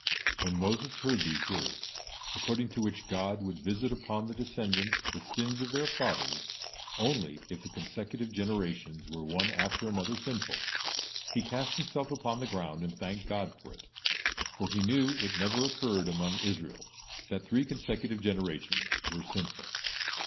When Moses heard these words, according to which God would visit upon the descendants the sins of their fathers only if the consecutive generations were one after another sinful, he cast himself upon the ground and thanked God for it; for he knew it never occurred among Israel that three consecutive generations were sinful.